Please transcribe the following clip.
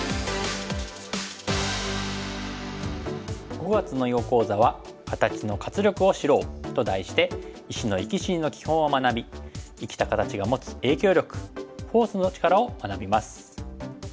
５月の囲碁講座は「形の活力を知ろう」と題して石の生き死にの基本を学び生きた形が持つ影響力フォースの力を学びます。